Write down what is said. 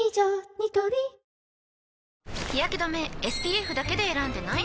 ニトリ日やけ止めＳＰＦだけで選んでない？